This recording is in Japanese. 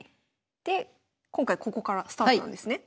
で今回ここからスタートなんですね。